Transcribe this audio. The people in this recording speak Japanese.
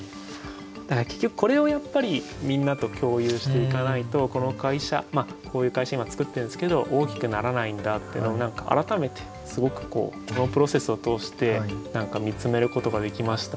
だから結局これをやっぱりみんなと共有していかないとこの会社こういう会社今作ってるんですけど大きくならないんだっていうのを改めてすごくこのプロセスを通して見つめることができました。